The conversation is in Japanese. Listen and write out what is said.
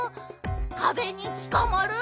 かべにつかまる？